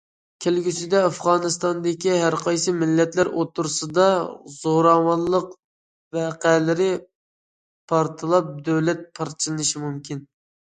كەلگۈسىدە ئافغانىستاندىكى ھەر قايسى مىللەتلەر ئوتتۇرىسىدا زوراۋانلىق ۋەقەلىرى پارتلاپ، دۆلەت پارچىلىنىشى مۇمكىن.